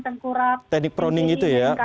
tengkurap teknik proning itu ya